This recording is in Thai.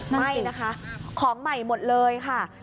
ไม่นะคะของใหม่หมดเลยค่ะ